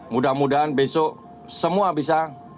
mudah mudahan besok semua bisa